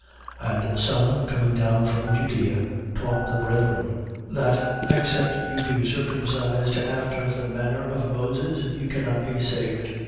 15:1. And some, coming down from Judea, taught the brethren: That, except you be circumcised after the manner of Moses, you cannot be saved.